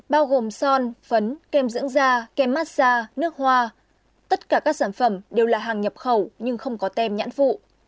bao gồm son phấn kem dưỡng da kem massage nước hoa tất cả các sản phẩm đều là hàng nhập khẩu nhưng không có tem nhãn phụ